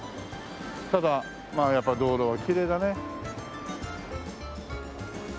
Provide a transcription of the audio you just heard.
ただやっぱり道路はきれいだね。